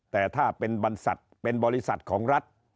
แต่ถ้าเป็นบรรษัทเป็นบริษัทของรัฐ